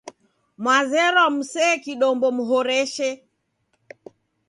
Mwazerwa musee kidombo muhoreshe.